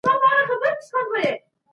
که ماشومان له چاکلیټو لیرې وساتل سي.